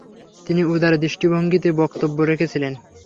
তিনি উদার দৃষ্টিভঙ্গিতে বক্তব্য রেখেছিলেন।